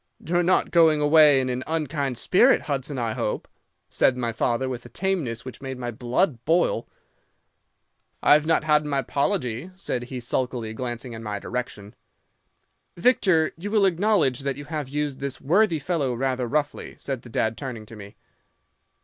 "'"You're not going away in an unkind spirit, Hudson, I hope," said my father, with a tameness which made my blood boil. "'"I've not had my 'pology," said he sulkily, glancing in my direction. "'"Victor, you will acknowledge that you have used this worthy fellow rather roughly," said the dad, turning to me.